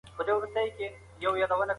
مرغۍ د اوبو په ډنډ کې د خپل حق ننداره وکړه.